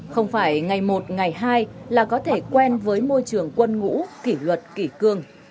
không phải ngày một ngày hai là có thể quen với môi trường quân ngũ kỷ luật kỷ cương